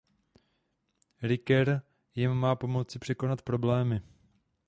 Riker jim má pomoci překonat problémy.